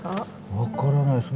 分からないです。